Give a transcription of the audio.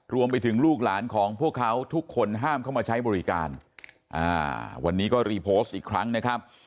รวมไปถึงลูกหลานของพวกเขาทุกคนห้ามเข้ามาใช้บริการอ่าวันนี้ก็รีโพสต์อีกครั้งนะครับ